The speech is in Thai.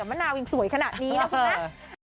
มันคิดว่านั้นหมดก่อน